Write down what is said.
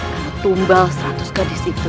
kau tumbang seratus kali di situ